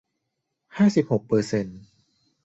ห้าสิบหกเปอร์เซนต์